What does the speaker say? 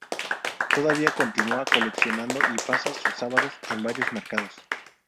Todavía continúa coleccionando y pasa sus sábados en varios mercados.